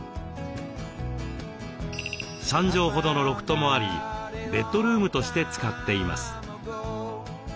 ３畳ほどのロフトもありベッドルームとして使っています。